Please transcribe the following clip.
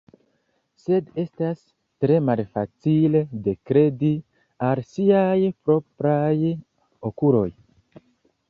Sed estas tre malfacile ne kredi al siaj propraj okuloj.